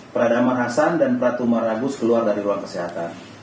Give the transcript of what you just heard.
pradama hasan dan pratumar agus keluar dari ruang kesehatan